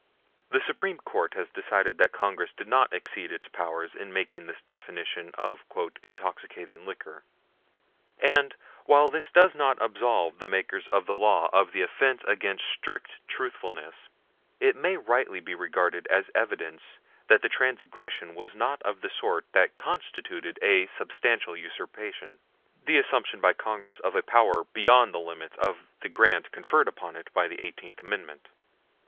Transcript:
The Supreme Court has decided that Congress did not exceed its powers in making this definition of "intoxicating liquor"; and, while this does not absolve the makers of the law of the offense against strict truthfulness, it may rightly be regarded as evidence that the transgression was not of the sort that constituted a substantial usurpation the assumption by Congress of a power lying beyond the limits of the grant conferred upon it by the Eighteenth Amendment.